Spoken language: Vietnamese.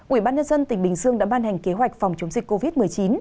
ủy ban nhân dân tỉnh bình dương đã ban hành kế hoạch phòng chống dịch covid một mươi chín